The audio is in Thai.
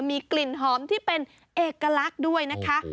มีกลิ่นหอมที่เป็นเอกลักษณ์ด้วยนะคะ